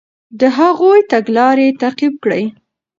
د هغوی تګلارې تعقیب کړئ.